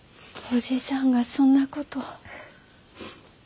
伯父さんがそんなことを。